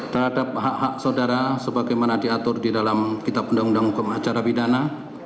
terhadap hak hak saudara sebagaimana diatur di dalam kitab undang undang hukum acara pidana